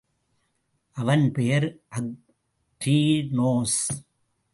அவன் பெயர் அக்ரேனோஸ்.